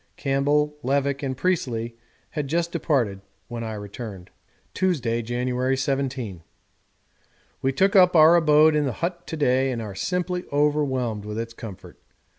Campbell, Levick, and Priestley had just departed when I returned._10_ Tuesday, January 17. We took up our abode in the hut to day and are simply overwhelmed with its comfort.